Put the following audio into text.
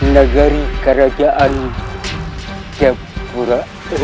negeri kerajaan jepura